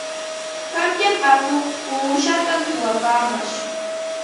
Qanyan atuq uushatam suwapaamash.